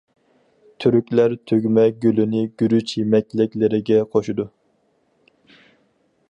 تۈركلەر تۈگمە گۈلىنى گۈرۈچ يېمەكلىكلىرىگە قوشىدۇ.